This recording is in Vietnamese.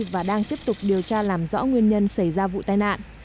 cơ quan chức năng đã tiếp tục điều tra làm rõ nguyên nhân xảy ra vụ tai nạn